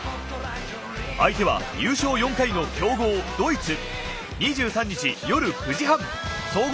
相手は優勝４回の強豪、ドイツ。